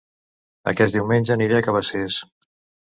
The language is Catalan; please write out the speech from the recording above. Aquest diumenge aniré a Cabacés